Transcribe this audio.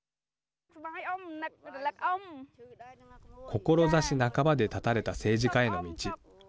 志半ばで断たれた政治家への道。